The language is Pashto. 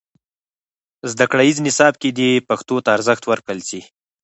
زدهکړیز نصاب کې دې پښتو ته ارزښت ورکړل سي.